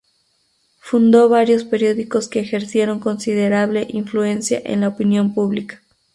Fundó varios periódicos que ejercieron considerable influencia en la opinión pública.